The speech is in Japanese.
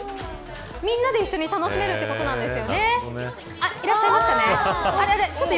みんなで一緒に楽しめるということなんです。